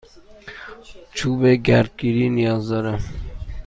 چوب گردگیری نیاز دارم.